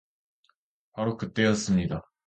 바로 그때였습니다.